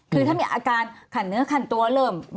คือถ้ามีอาการขันเนื้อขันตัวเริ่ม